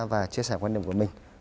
và chia sẻ quan điểm của mình